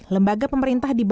lembaga pemerintah indonesia